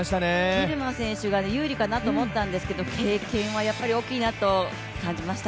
ギルマ選手が有利かなと思ったんですけど、経験はやっぱり大きいなと思いました。